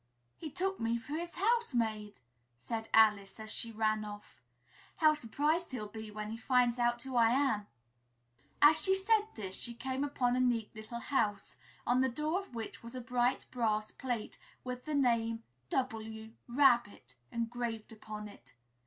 "He took me for his housemaid!" said Alice, as she ran off. "How surprised he'll be when he finds out who I am!" As she said this, she came upon a neat little house, on the door of which was a bright brass plate with the name "W. RABBIT" engraved upon it.